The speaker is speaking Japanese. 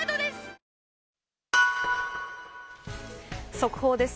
速報です。